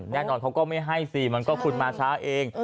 แน่นอนเขาก็ไม่ให้สิมันก็คืนมาช้าเอง